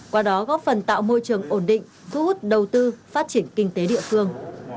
qua đó góp phần tạo môi trường ổn định thu hút đầu tư phát triển kinh tế địa phương